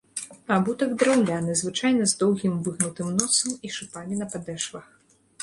Абутак драўляны, звычайна з доўгім выгнутым носам і шыпамі на падэшвах.